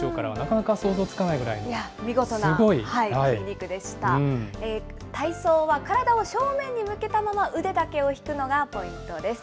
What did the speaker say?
体操は体を正面に向けたまま、腕だけを引くのがポイントです。